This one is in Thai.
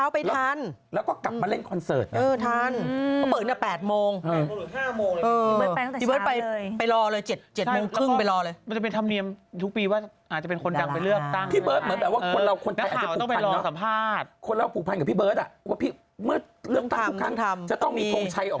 ไปปั๊บมาแล้วเรียบร้อยอะไรอย่างนี้